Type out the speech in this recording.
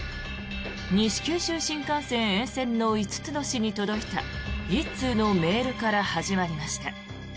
西九州新幹線沿線の５つの市に届いた１通のメールから始まりました。